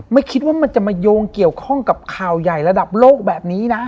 ไม่คิดว่ามันจะมาโยงเกี่ยวข้องกับข่าวใหญ่ระดับโลกแบบนี้นะ